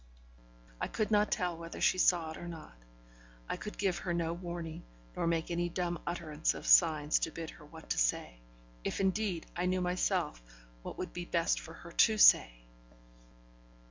I could not tell whether she saw it or not; I could give her no warning, nor make any dumb utterance of signs to bid her what to say if, indeed, I knew myself what would be best for her to say.